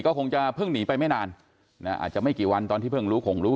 ก็คงจะเพิ่งหนีไปไม่นานอาจจะไม่กี่วันตอนที่เพิ่งรู้คงรู้